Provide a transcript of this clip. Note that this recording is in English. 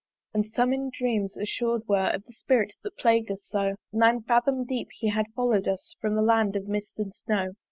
And some in dreams assured were Of the Spirit that plagued us so: Nine fathom deep he had follow'd us From the Land of Mist and Snow.